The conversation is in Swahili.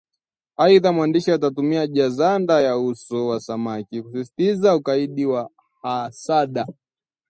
Aidha, mwandishi anatumia jazanda ya uso wa samaki kusisitiza ukaidi wa Hasada